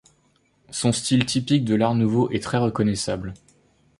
Son style typique de l'Art nouveau est très reconnaissable.